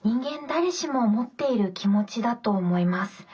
誰しも持っている気持ちだと思います。